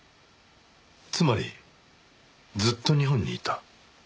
つまりずっと日本にいた？